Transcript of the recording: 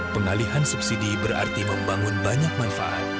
pengalihan subsidi berarti membangun banyak manfaat